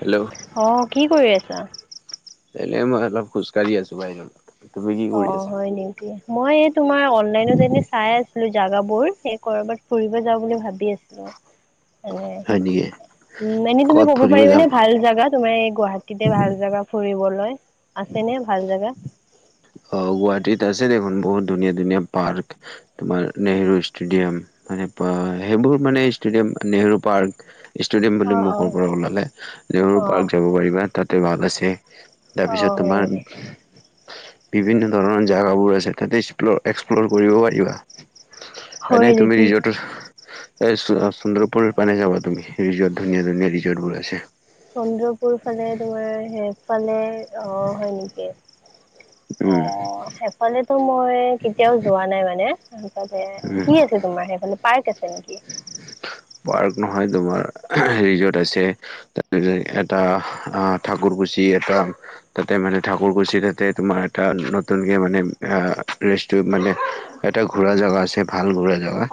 Hello. অ কি কৰি আছা? এনেই, মই অলপ খোজকাঢ়ি আছো বাহিৰত। তুমি কি অ কৰি আছা? হয় নি। মই এই তোমাৰ অনলাইনত এনে চাই আছিলো জাগাবোৰ, এই কৰবাত ফুৰিব যাওঁ বুলি ভাবি আছো উ হয় নেকি উ এনেই তুমি ক'ত কব ফুৰিব যাম পাৰিবানে ভাল জাগাত? তোমাৰ এই গুৱাহাটীতে ভাল জেগা ফুৰিবলৈ, আছেনে ভাল জেগা? অ, গুৱাহাটীত আছে দেখোন বহুত ধুনীয়া ধুনীয়া পাৰ্ক, তোমাৰ নেহেৰু ষ্টেডিয়াম। মানে পোৱা সেইবোৰ মানে ষ্টেডিয়াম নেহেৰু পাৰ্ক- ষ্টেডিয়াম অ বুলি অ মুখৰ পৰা ওলালে অ নেহৰু পাৰ্ক যাব পাৰিবা তাতে ভাল আছে। অ তাৰপিছত হয় তোমাৰ- নেকি? বিভিন্ন ধৰণৰ জেগাবোৰ আছে তাতে এক্সপ্ল'- এক্সপ্ল'ৰ কৰিব পাৰিবা। হয় এনেই তুমি নেকি? ৰিজৰ্টৰ- এই চু অ চুন্দৰপুৰ পানে যাবা তুমি ৰিজৰ্ট ধুনীয়া ধুনীয়া ৰিজৰ্টবোৰ আছে। চন্দ্ৰপুৰ ফালে তোমাৰ সেফালে অ, হয় নেকি? অ, সেইফালেতো মই কেতিয়াও যোৱা নাই মানে। সেইফালে উম কি আছে তোমাৰ সেইফালে পাৰ্ক আছে নেকি? পাৰ্ক নহয় তোমাৰ আ ৰিজৰ্ট আছে। তাৰপিছত এটা অহ ঠাকুৰকুচি এটা- তাতে মানে ঠাকুৰকুছি তাতে তোমাৰ এটা নতুনকে মানে আ ৰেষ্ট- টো মানে, এটা ঘূৰা জেগা আছে ভাল ঘূৰা জেগা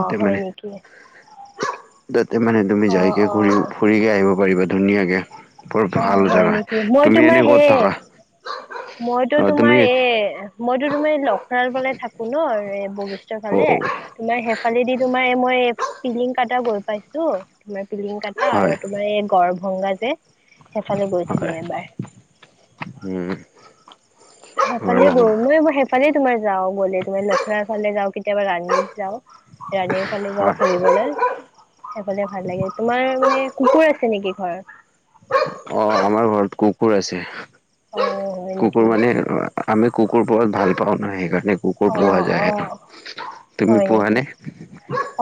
তাতে মানে- ঠিকে আছে তাতে মানে তুমি যাইকে অ ঘুৰি, ফুৰিকে আহিব পাৰিবা ধুনীয়াকে। বৰ অ ভাল হয় জেগা, নেকি মই তুমি তোমাৰ এনে ক'ত সেই থাকা? মইতো অ তুমি তোমাৰ এ, মইতো তোমাৰ লখৰাল ফালেই থাকো নহ এ বশিষ্টৰ অ ফালে, তোমাৰ সেইফালেদি তোমাৰ মই পিলিং কটা গৈ পাইছো। তোমাৰ পিলিং কটা হয় আৰু তোমাৰ এই গড়ভংগা যে, সেইফালে হয় গৈছিলো এবাৰ। উম। হয় সেইফালে গলোৱে মই সেইফালে তোমাৰ যাওঁ গ'লে তোমাৰ লখৰাৰ ফালে যাওঁ কেতিয়াবা ৰানীত যাওঁ। ৰাণীৰ ফালে যাওঁ ফুৰিবলৈ। সেইফালে ভাল লাগে তোমাৰ মানে কুকুৰ আছে নেকি ঘৰৰ? অ, আমাৰ ঘৰত কুকুৰ আছে, অ হয় নেকি কুকুৰ মানে- আমি কুকুৰ পোহাত ভাল পাও ন সেইকাৰণে- কুকুৰ অ পোৱা অ যায় আৰু তুমি হয় পোৱা নেকি নে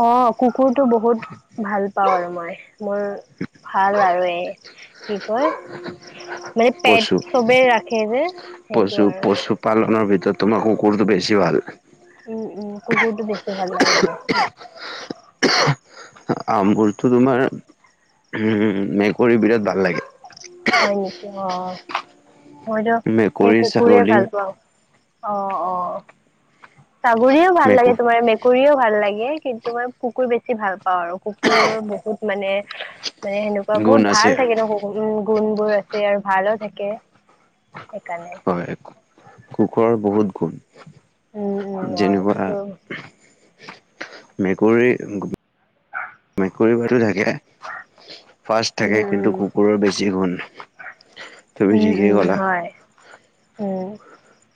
অ কুকুৰটো বহুত ভাল পাওঁ আৰু মই মোৰ ভাল আৰু এ কি কয় মানে পশু পেট চবে ৰাখে যে সেইটো আৰু পালনৰ ভিতৰত তোমাক কুকুৰটো বেছি ভাল উম উম কুকুৰটো বেছি ভাল লাগে মোক অ মোৰতো তোমাৰ উ মেকুৰী বিৰাট ভাল লাগে হয় নেকি অ মইতো সেই মেকুৰী কুকুৰে ছাগলী ভাল পাওঁ অ অ ছাগলীও ভাল লাগে মেকুৰ তোমাৰ মে মেকুৰীও ভাল লাগে কিন্তু মই কুকুৰ বেছি ভাল পাওঁ আৰু কু কুকুৰৰ বহুত মানে মানে সেনেকোৱা গুণ বহুত আছে ভাল থাকে ন উম গুণবোৰ আছে আৰু ভালো থাকে সেইকাৰণে হয় কুকুৰৰ বহুত গুণ, উম উম হয় যেনেকোৱা কুকুৰ মেকুৰী মেকুৰী ভাতো থাকে ফাৰ্ষ্ট উম থাকে। কিন্তু উম কুকুৰৰ বেছি গুণ। তুমি ঠিকেই কলা। এ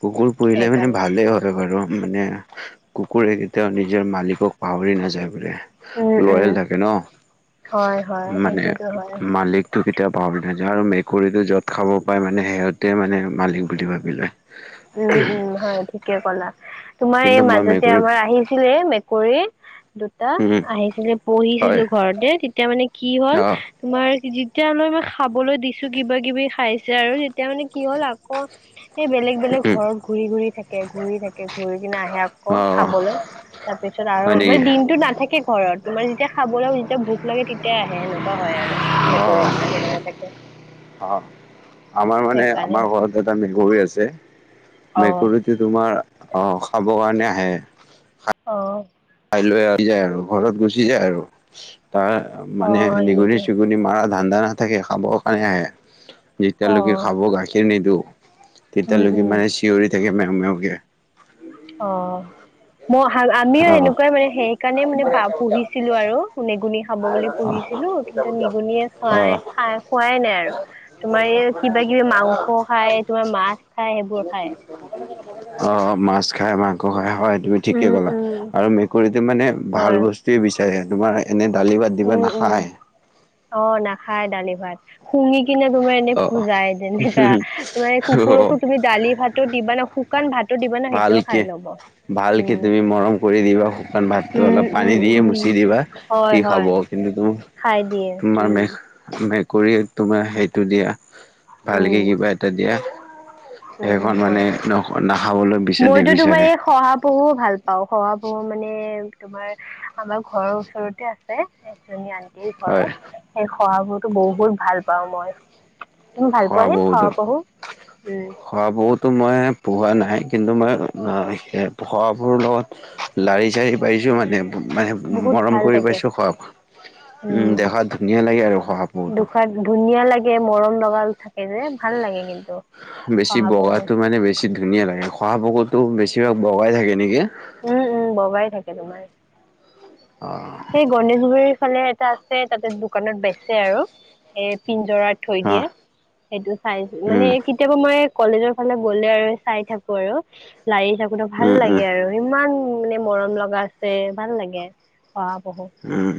কুকুৰ পুহিলে মানে ভালেই হয় বাৰু। মানে কুকুৰে কেতিয়াও নিজৰ মালিকক পাহৰি নাযায় বোলে উম, উম, লৰেল থাকে ন। হয়, হয়, মানে সেইটোতো হয়। মালিক টো কেতিয়াও পাহৰি নাযায়। আৰু মেকুৰীটো য'ত খাব পাই মানে সিহঁতে মানে মালিক বুলি ভাবি লয়। উম, উম হয় ঠিকে কলা তোমাৰ কিন্তু এই মই মাজতে মেকুৰী আমাৰ আহিছিলে মেকুৰী দুটা উম আহিছিলে পূহিছিলো হয় ঘৰতে। তেতিয়া মানে কি হ'ল অহ তোমাৰ যেতিয়ালৈ মই খাবলৈ দিছো কিবা কিবি খাইছে আৰু তেতিয়া মানে কি হ'ল আকৌ, এই বেলেগ বেলেগ উম ঘৰত ঘূৰি ঘুৰি থাকে, ঘূৰি থাকে ঘূৰি কিনে আহে আকৌ অ খাবলৈ। তাৰপিছত আৰু হয় নেকি মানে দিনতো নাথাকে। ঘৰত তোমাৰ যেতিয়া খাবলৈ যেতিয়া ভোক লাগে তেতিয়াই আহে সেনেকুৱা হয় আৰু। অ মেকুৰী বিলাক এনেকুৱা থাকে। অ আমাৰ মানে সেইকাৰণে আমাৰ ঘৰত এটা মেকুৰী আছে। অ মেকুৰীত তোমাৰ অ খাব কাৰণে আহে। অঁ, খাই লৈ আহি যায় আৰু ঘৰত গুচি যায় আৰু তাৰ অ মানে হয় নিগৰি, নেকি চিগৰি, দি মাৰা ধান্দা নাথাকে, খাবৰ কাৰণে আহে যেতিয়ালৈকে অ খাব গাখীৰ নিদো উম তেতিয়ালৈকে উম। মানে চিঞৰি থাকে মেও মেওকে। অ, আমিও অ'। সেনেকুৱাই মানে সেইকাৰণে মানে পা পুহিছিলো আৰু নেগুণী খাব বুলি পুহিছিলো কিন্তু নিগনিয়ে অ', খাই খাই খোৱাই নাই আৰু। তোমাৰ এই কিবা কিবি মাংস খায়, তোমাৰ মাছ খায়, সেইবোৰ খায়। অ মাছ খাই, মাংস খাই, হয় তুমি ঠিকে উম ক'লা। উম। আৰু মেকুৰীটো মানে হয় ভাল বস্তুয়ে বিচাৰে, তোমাৰ এনে দালি ভাত উম দিবা উম নাখায়। অ নাখায় দালি ভাত। শুঙি কিনে তোমাৰ এনে অ', অ', পুজাই যেনেকা তোমাৰ কুকুৰকো তুমি দালি, ভাত, টো দিবা ন শুকান ভাতো দিবা ন সেইটোও ভালকে খাই ল'ব। ভালকে উম তুমি মৰম কৰি দিবা শুকান ভাতটো উম অলপ উম পানী দিয়ে উম। মুচি দিবা হয় সি হয় খাব। কিন্তু খাই দিয়ে। তোমাৰ উম। মে মেকুৰী তোমাৰ সেইটো দিয়া ভালকে উম, কিবা এটা দিয়া উম, সেইখন মানে হয়। ন নাখাবলৈ বিচ নিবিচাৰে। পহু ভাল পাওঁ, শহা পহু মানে তোমাৰ, আমাৰ ঘৰৰ ওচৰতে আছে এজনী আন্টিৰ হয় ঘৰত। সেই শহা পহুটো বহুত ভাল পাওঁ মই। তুমি ভাল পোৱা নে শহা পহু? উম, শহা পহুটো মই পোহা নাই। কিন্তু অ', মই শহা পহুটো লগত লাৰি চাৰি পাইছোঁ মানে। মানে বহুত মৰম ভাল কৰি থাকে। পাইছো শহা পহু। উম দেখাত ধুনীয়া লাগে আৰু শহা পহুটো দুখাত ধুনীয়া লাগে, মৰম লগা থাকে যে। ভাল লাগে কিন্তু বেছি শহা পহু। বগাটো মানে বেছি ধুনীয়া লাগে। শহা পহুটো বেছিভাগ বগাই থাকে নেকি। উম, উম বগাই থাকে তোমাৰ। অঁ, সেই গণেশগুৰিৰ ফালে এটা আছে তাতে দোকানত বেচে আৰু এ পিঞ্জৰাত। থৈ অ দিয়ে সেইটো চাইজ মানে উম কেতিয়াবা মই কলেজৰ ফালে গ'লে আৰু চাই থাকো আৰু লাৰি থাকোতো ভাল উম লাগে উম আৰু। ইমান মানে মৰম লগা আছে ভাল লাগে শাহা পহু। উম।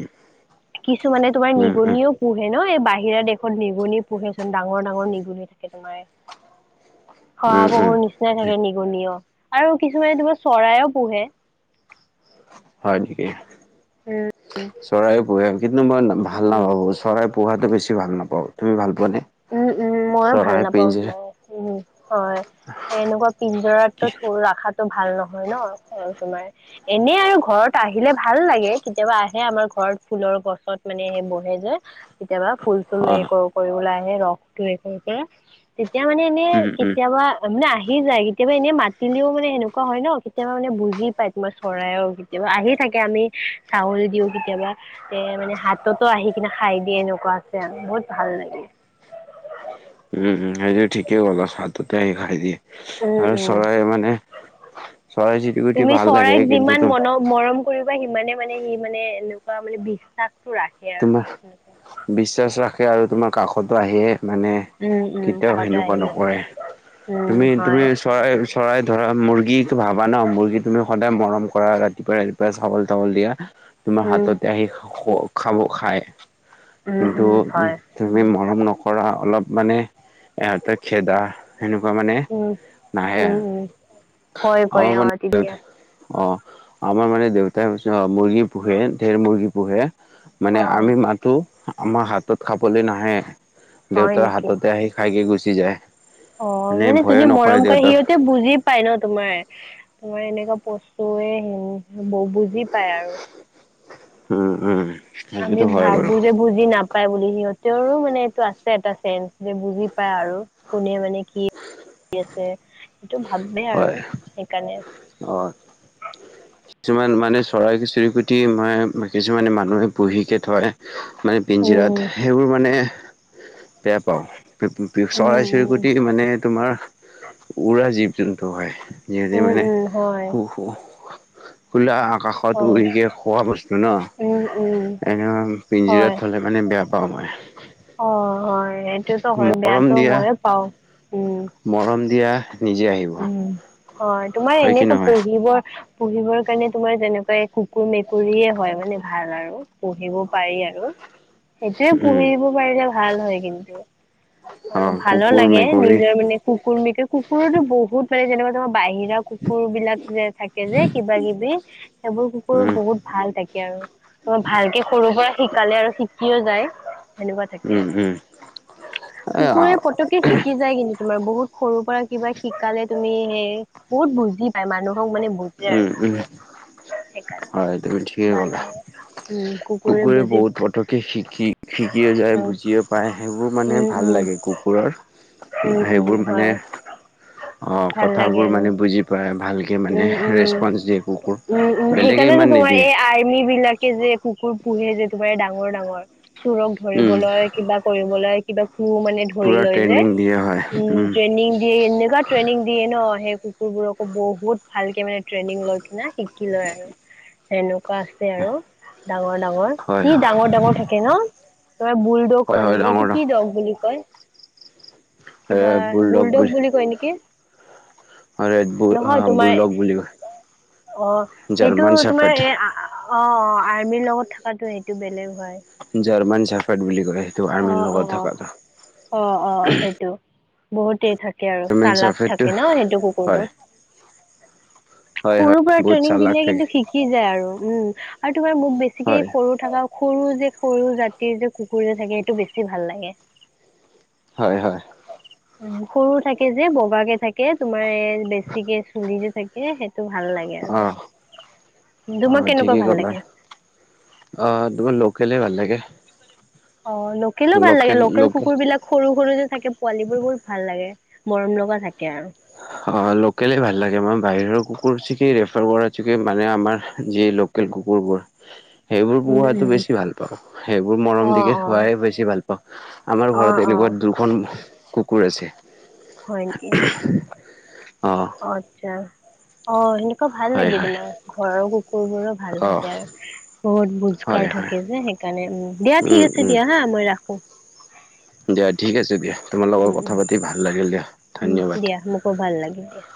কিছু মানে তোমাৰ উম উম নিগনিও পোহে ন' এই বাহিৰা দেশত নিগনি পোহে চোন ডাঙৰ-ডাঙৰ নিগনি থাকে তোমাৰ। [unintelligible] উম শহাপহুৰ নিচিনাই উম থাকে নিগনিয় আৰু কিছুমানে তোমাৰ চৰাইও পোহে। হয় নেকি? উম চৰাইও পোহে। কিন্তু মই ভাল উম নাপাওঁ, চৰাই পোহাটো বেছি ভাল নাপাওঁ। তুমি ভাল পোৱাানে? উম', উম'। মইয়ো ভাল নাপাওঁ সিমান উম, হয়। এ এনেকুৱা থো কি পিঞ্জৰতটো ৰখাতটো ভাল নহয় ন' তোমাৰ। এনেই আৰু ঘৰত আহিলে ভাল লাগে, কেতিয়াবা আহে আমাৰ ঘৰত ফুলৰ গছত। মানে সেই বহে যে, কেতিয়াবা ফুল-চুল অ এ কৰ-কৰি ওলাই আহে ৰসটো হেৰি কৰে যে। তেতিয়া মানে এনেই উম উম কেতিয়াবা মানে আহি যায় কেতিয়াবা এনেই মাতিলেও মানে সেনেকুৱা হয় ন' কেতিয়াবা মানে বুজি পায় তোমাৰ চৰাই কেতিয়াবা আহি থাকে আমি চাউল দিওঁ কেতিয়াবা। এ মানে হাততো আহি কিনে খাই দিয়ে এনেকুৱা আছে আৰু বহুত ভাল লাগে। উম', উম' সেইটো ঠিকেই ক'লা হাততে আহি খাই দিয়ে। উম আৰু উম চৰাই মানে, চৰাই তুমি [unintelligible] ভাল লাগে চৰাইক কিন্তু যিমান তোমাৰ মন মৰম কৰিব সিমানে মানে সি মানে এনেকুৱা মানে বিশ্বাসটো ৰাখে। আৰু তোমাৰ বিশ্বাস ৰাখে আৰু তোমাৰ কাষতো আহিয়ে মানে উম উম কেতিয়াও কাষতে সেনেকুৱা আহিব নকৰে। উম হয় তুমি-তুমি চৰাই চৰাই ধৰা মুৰ্গী ভাবা ন' মুৰ্গী তুমি সদায় মৰম কৰা ৰাতিপুৱাই-ৰাতিপুৱাই চাউল-টাউল দিয়া। তোমাৰ উম হাততে আহি খ-খাব-খায় উম কিন্তু উম। হয় তুমি মৰম নকৰা অলপ মানে ইহঁতে খেদা। সেনেকুৱা মানে উম নাহে উম আৰ উম ভয় অহ, কৰে অ তেতিয়া মা অহ, আমাৰ মানে হৈছে অহ, দেউতাই মুৰ্গী পোহে ঢেৰ মুৰ্গী পোহে। মানে অ আমি মাতো, আমাৰ হাতত খাবলে নাহে, হয় দেউতাৰ হাততে আহি খায়হি গুচি যায়। অহ, মানে ভয়ে যোনে নকৰে মৰম কৰে দেউতাৰ সিহঁতে বুজি পাই ন' তোমাৰ, তোমাৰ এনেকুৱা বস্তুৱে বুজি পায় আৰু। উম উম আমি সেইটোতো হয় বাৰু ভাবোঁ যে বুজি নাপা সিহঁতৰো মানে এইটো আছে এটা চেঞ্চ, যে বুজি পায় আৰু কোনে মানে কি ভাবি আছে, সেইটো ভাবে আৰু সেইকাৰণে। অহ, কিছুমান মানে চৰাই-চিৰিকতি মা কিছুমানে মানুহে পুহি যে থৰে মানে পিঞ্জিৰাত উম সেইবোৰ মানে বেয়া পাওঁ। উম উম চৰাই-চিৰিকতি মানে তোমাৰ উৰা জীৱ-জন্তু হয়। যিহেতু উম মানে উম হয় খো-খো-খোলা আকাশত হয়টো হয় উৰিকে খোৱা বস্তু ন' উম উম এনেই পিঞ্জিৰাত থ'লে মানে বেয়া পাওঁ মই। অহ, হয় সেইটোতো হয়। মৰম বেয়াতো দিয়া মইে পাওঁ উম। মৰম দিয়া নিজে আহিব। উম হয়, তোমাৰ হয় কি এনেতো নহয়? পুহিবই পুহিবৰ কাৰণে তোমাৰ যেনেকুৱাই কুকুৰ-মেকুৰীয়ে হওঁক মানে ভাল আৰু। পুহিব পাৰি আৰু। সেইটোৱে উম পুহিব পাৰিলে ভাল হয় কিন্তু। আৰু অ' ভালো কুকুৰ লাগে মেকুৰী নিজৰ মানে কুকুৰ, মেকুৰ, কুকুৰটো বহুত মানে যেনেকুৱা তোমাৰ বাহিৰা কুকুৰ বিলাক যে থাকে যে কিবা কিবি। সেইবোৰ কুকুৰ উম বহুত ভাল থাকে আৰু তোমাৰ ভালকে সৰুৰ পৰা শিকালে আৰু শিকি শিকিও যায় সেনেকুৱা থাকে আৰু উম উম। এ কুকুৰে পতককে শিকি যায় কিন্তু। তোমাৰ বহুত সৰুৰ পৰা কিবা শিকালে তুমি সে বহুত বুজি পায় মানুহক মানে বুজে উম আৰু উম কুকুৰে। সেইকাৰণে হয়, তুমি ঠিকেই ভাল ক'লা। লাগে উম কুকুৰে বুজি বহুত পায় পতককে শিকি শিকিও যায়, উম বুজিও পায় সেইবোৰ মানে উম ভাল উম লাগে কুকুৰৰ। উম উম সেইবোৰ মানে, হয় অ ভাল লাগে কথাবোৰ আৰু মানে বুজি পায় ভালকে মানে। উম উম ৰেচপঞ্চ দিয়ে কুকুৰ। বেলেগে ইমান নিদিয়ে। আৰ্মিবিলাকে যে কুকুৰ পোহে যে তোমাৰ এ ডাঙৰ ডাঙৰ চোৰক উম ধৰিবলৈ, কিবা কৰিবলৈ, কিবা কো মানে ধৰি পুৰা লৈ যে। ট্ৰেইনিং দিয়া হয় উম ট্ৰেইনিং দিয়ে এনেকাত ট্ৰেইনিং দিয়ে ন সেই কুকুৰবোৰকো, বহুত ভালকে মানে ট্ৰেইনিং লয় না শিকি লয় আৰু সেনো কোৱা আছে আৰু ডাঙৰ ডাঙৰ। হয় কি ডাঙৰ ডাঙৰ থাকে ন। তোমাৰ বুলডগ হয় নেকি এইটো কি ডগ বুলি কয়? কিবা, বুলডগ বুলি কয় নেকি! অ ৰেডবুল অ হয় অ, কয়। সেইটো জাৰ্মান তোমাৰ চাফেট এ অ অ আৰ্মিৰ লগত থকাটো সেইটো বেলেগ হয়। জাৰ্মান চাফাড বুলি কয়। সেইটো অ আৰ্মিৰ অ, লগত থকাটো অ অ, সেইটো। বহুতে থাকে আৰু জাৰ্মান চালাক চাফেটটো থাকে ন সেইটো কুকুৰটো। হয় হয় সৰু হয় পৰা বহুত ট্ৰেইনিং চালাক দিলে থাকে কিন্তু শিক শিকি যায় আৰু উম আৰু তোমাৰ মোক বেছিকে হয় সৰুত থকা সৰু যে, সৰু জাতিৰ যে কুকুৰ যে থাকে, সেইটো বেছি ভাল লাগে। হয় হয়। [unintelligible] উম, সৰু থাকে যে বগা কে থাকে তোমাৰ এ বেছিকে চুলি যে থাকে সেইটো ভাল লাগে। এল অ। হ অ তোমাক কেনেকুৱা ঠিকেই ভাল ক'লা লাগে? অ, তোমাৰ লোকেলেই ভাল লাগে। অ, লোকেলো ভাল লাগে, লোকেল কুকুৰ বিলাক সৰু সৰু যে থাকে পোৱালী বোৰ বহুত ভাল লাগে মৰম লগা থাকে আৰু। অ লোকেলে ভাল লাগে মই বাহিৰৰ কুকুৰ চিকে ৰেফাৰ কৰা চিকে মানে আমাৰ যি লোক কেল কুকুৰবোৰ। সেইবোৰ উম পুহাটো উম বেছি ভাল পাওঁ। সেইবোৰ মৰম অ দিকে, অ ধোৱাই বেছি ভাল পাওঁ। আমাৰ অ ঘৰত অ এনেকুৱা দুখন কুকুৰ আছে। হয় নেকি অ। অ আচ্ছা, অ সেনেকুৱা ভাল হয়, লাগে হয়, তোমাৰ। ঘৰৰ কুকুৰবোৰো ভাল অ', থাকে আৰু। বহুত হয়, বোজকাৰ হয়, থাকে যে সেইকাৰণে উম। দিয়া উম, ঠিক আছে উম, দিয়া হা, মই ৰাখো। দিয়া ঠিক আছে দিয়া। তোমাৰ উম লগত উম কথা পাতি ভাল লাগিল দিয়া ধন্যবাদ। খুব ভাল লাগিল দিয়া।